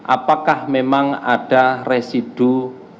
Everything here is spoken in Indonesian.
apakah memang ada residu bahan dari senjata api